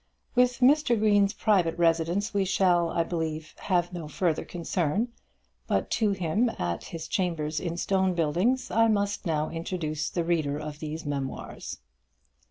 With Mr. Green's private residence we shall, I believe, have no further concern; but to him at his chambers in Stone Buildings I must now introduce the reader of these memoirs.